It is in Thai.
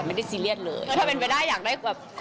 ไม่ได้ซีเรีกเลยถ้าเป็นได้ก็อยากได้คนออก